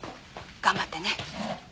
頑張ってね。